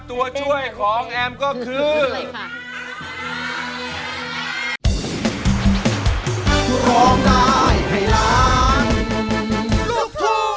แผ่นไหนดีครับ